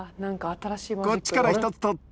こっちから１つ取って。